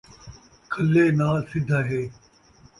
کھلّے نال سدھا ہے